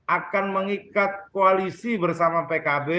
akan mengikat koalisi bersama pkb